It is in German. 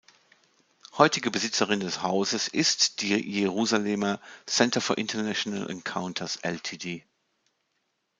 Heutige Besitzerin des Hauses ist die Jerusalemer "Center for International Encounters Ltd.